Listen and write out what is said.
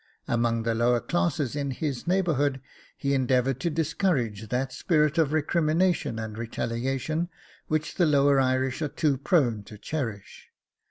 Among the lower classes in his neighbourhood he endeavoured to discourage that spirit of recrimination and retaliation which the lower Irish are too prone to cherish.